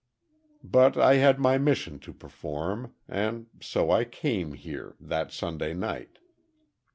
"But I had my mission to perform—and so, I came here, that Sunday night."